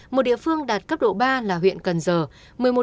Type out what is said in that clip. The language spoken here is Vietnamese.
một địa phương đạt cấp độ ba là huyện cần giờ